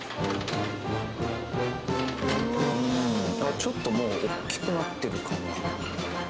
ちょっともうおっきくなってる感じ。